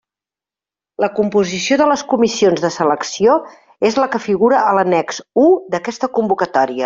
La composició de les comissions de selecció és la que figura a l'annex u d'aquesta convocatòria.